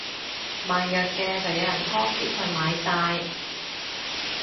賣藥嘅就有人拖喼去買晒